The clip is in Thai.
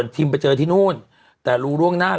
ทีมไปเจอที่นู่นแต่รู้เรื่องหน้าแล้ว